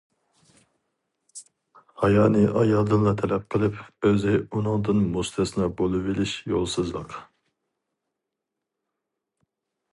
ھايانى ئايالدىنلا تەلەپ قىلىپ، ئۆزى ئۇنىڭدىن مۇستەسنا بولۇۋېلىش يولسىزلىق.